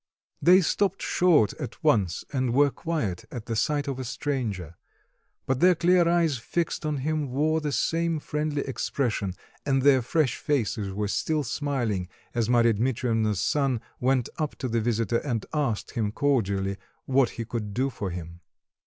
They stopped short at once and were quiet at the sight of a stranger; but their clear eyes fixed on him wore the same friendly expression, and their fresh faces were still smiling as Marya Dmitreivna's son went up to the visitor and asked him cordially what he could do for him.